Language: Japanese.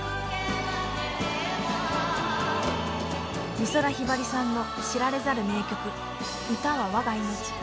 美空ひばりさんの知られざる名曲「歌は我が命」。